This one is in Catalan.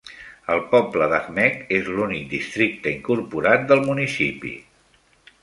El poble d'Ahmeek és l'únic districte incorporat del municipi.